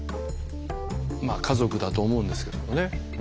まあ家族だと思うんですけどもね。